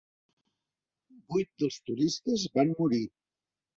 Vuit dels turistes van morir.